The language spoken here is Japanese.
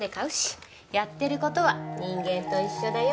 やってる事は人間と一緒だよ。